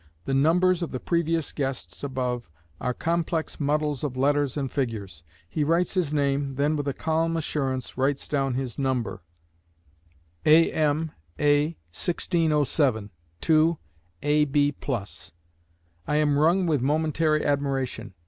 The "numbers" of the previous guests above are complex muddles of letters and figures. He writes his name, then with a calm assurance writes down his number, A.M.a.1607.2.ab+. I am wrung with momentary admiration.